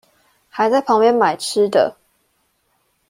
還在旁邊買吃的